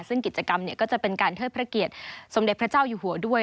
ซึ่งกิจกรรมก็จะเป็นการเทิดพระเกียรติสมเด็จพระเจ้าอยู่หัวด้วย